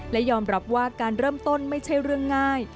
และยอมรับว่าการเริ่มต้นไม่ใช่เรื่องง่าย